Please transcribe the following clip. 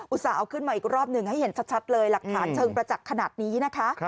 ต่าเอาขึ้นมาอีกรอบหนึ่งให้เห็นชัดเลยหลักฐานเชิงประจักษ์ขนาดนี้นะคะ